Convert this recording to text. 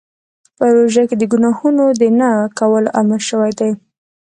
په روژه کې د ګناهونو د نه کولو امر شوی دی.